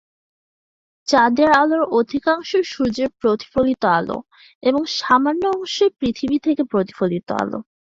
চাঁদের আলোর অধিকাংশই সূর্যের প্রতিফলিত আলো এবং সামান্য অংশই পৃথিবী থেকে প্রতিফলিত আলো।